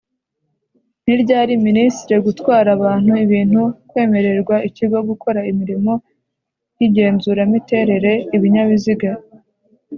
ni ryari ministre gutwara abantu ibintu kwemererwa ikigo gukora imirimo y’igenzura miterere ibinyabiziga